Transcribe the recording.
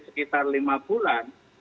sekitar lima bulan